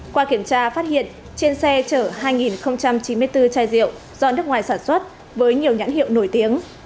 qua kiểm tra phát hiện trên xe chở hai chín mươi bốn chai rượu do nước ngoài sản xuất với nhiều nhãn hiệu nổi tiếng